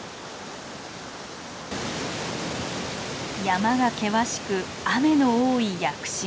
山が険しく雨の多い屋久島。